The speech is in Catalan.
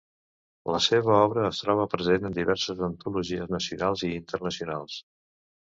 La seva obra es troba present en diverses antologies nacionals i internacionals.